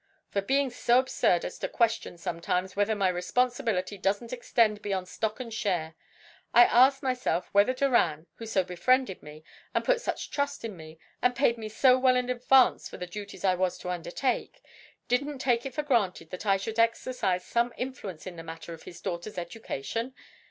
"For being so absurd as to question sometimes whether my responsibility doesn't extend beyond stock and share. I ask myself whether Doran who so befriended me, and put such trust in me, and paid me so well in advance for the duties I was to undertake didn't take it for granted that I should exercise some influence in the matter of his daughter's education?